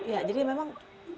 ya jadi memang